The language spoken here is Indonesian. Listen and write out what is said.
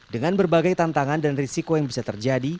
dengan berbagai tantangan dan risiko yang bisa terjadi